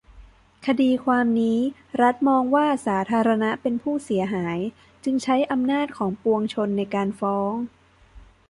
คดีความนี้รัฐมองว่าสาธารณะเป็นผู้เสียหาย จึงใช้อำนาจของปวงชนในการฟ้อง